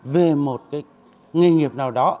về một nghề nghiệp nào đó